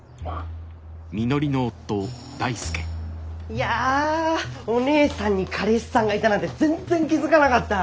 いやお姉さんに彼氏さんがいたなんて全然気付かなかった。